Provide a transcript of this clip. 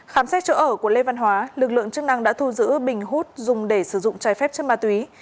khám xét chỗ ở của lê văn hóa lực lượng chức năng đã thu giữ bình hút dùng để sử dụng trái phép chất ma túy